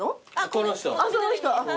この人。